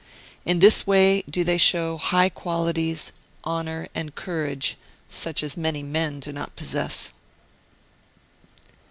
In this way do they show high qualities, honour, and courage such as many men do not possess.